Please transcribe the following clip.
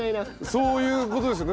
そういう事ですよね。